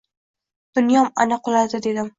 Dunyom ana quladi dedim.